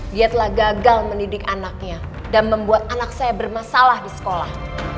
dia telah gagal mendidik anaknya dan membuat anak saya bermasalah di sekolah